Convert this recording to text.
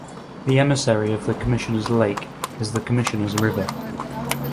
The emissary of the Commissioners lake is the "Commissioners river".